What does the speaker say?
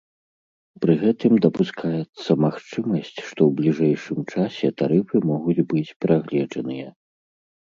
Пры гэтым дапускаецца магчымасць, што ў бліжэйшым часе тарыфы могуць быць перагледжаныя.